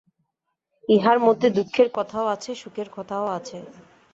ইহার মধ্যে দুঃখের কথাও আছে সুখের কথাও আছে।